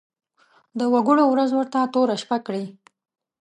د وګړو ورځ ورته توره شپه کړي.